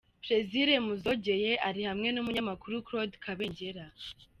Plaisir Muzogeye ari hamwe n'umunyamakuru Claude Kabengera.